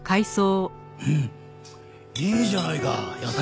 うんいいじゃないか野菜ジュース。